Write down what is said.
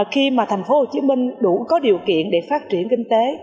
khi mà thành phố hồ chí minh đủ có điều kiện để phát triển kinh tế